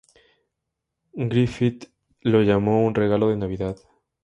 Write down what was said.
Griffith lo llamó "un regalo de Navidad.